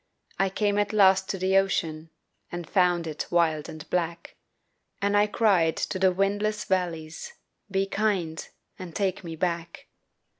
I came at last to the ocean And found it wild and black, And I cried to the windless valleys, "Be kind and take me back!"